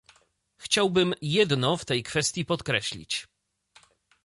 Chciałbym jedno w tej kwestii podkreślić